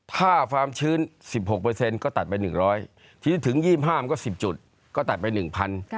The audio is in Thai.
ถ้าความชื้น๑๖ก็ตัดไป๑๐๐ทีนี้ถึง๒๕มันก็๑๐จุดก็ตัดไป๑๐๐บาท